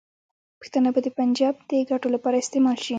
پښتانه به د پنجاب د ګټو لپاره استعمال شي.